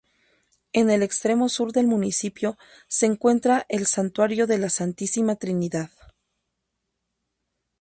En el extremo sur del municipio se encuentra el santuario de la Santísima Trinidad.